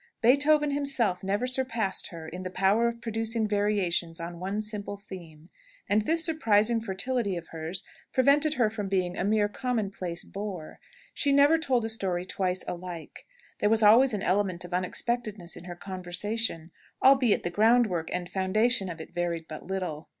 Beethoven himself never surpassed her in the power of producing variations on one simple theme. And this surprising fertility of hers prevented her from being a mere commonplace bore. She never told a story twice alike. There was always an element of unexpectedness in her conversation, albeit the groundwork and foundation of it varied but little.